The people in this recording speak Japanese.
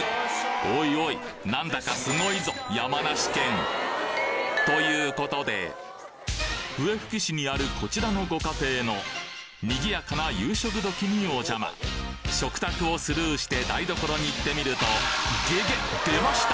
おいおい何だかすごいぞ山梨県笛吹市にあるこちらのご家庭のにぎやかな夕食時にお邪魔食卓をスルーして台所に行ってみるとゲゲッ出ました！